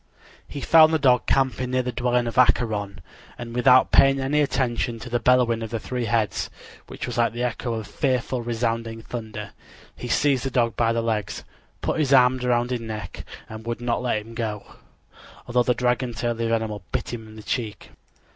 He found the dog camping near the dwelling of Acheron, and without paying any attention to the bellowing of the three heads, which was like the echo of fearful resounding thunder, he seized the dog by the legs, put his arms around his neck, and would not let him go, although the dragon tail of the animal bit him in the cheek.